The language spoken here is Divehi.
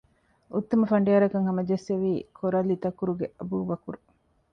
އުއްތަމަ ފަނޑިޔާާރަކަށް ހަމަޖެއްސެވީ ކޮރަލިތަކުރުގެ އަބޫބަކުރު